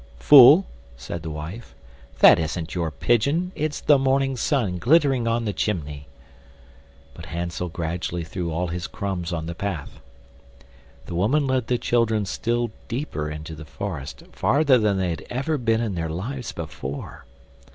"Fool!" said the wife; "that isn't your pigeon, it's the morning sun glittering on the chimney." But Hansel gradually threw all his crumbs on the path. The woman led the children still deeper into the forest farther than they had ever been in their lives before.